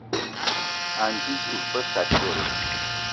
Anji dud be kateré